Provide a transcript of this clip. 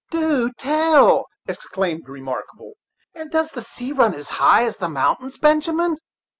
"Do tell!" exclaimed Remarkable; "and does the sea run as high as mountains, Benjamin?"